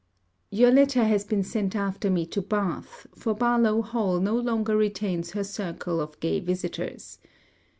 Your letter has been sent after me to Bath, for Barlowe Hall no longer retains her circle of gay visitors.